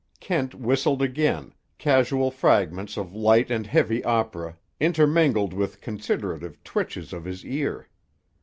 Kent whistled again, casual fragments of light and heavy opera intermingled with considerative twitches of his ear.